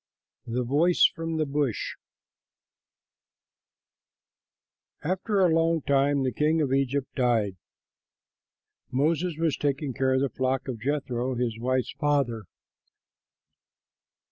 THE VOICE FROM THE BUSH After a long time the king of Egypt died. Moses was taking care of the flock of Jethro his wife's father.